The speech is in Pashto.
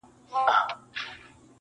ته په څه منډي وهې موړ يې له ځانه-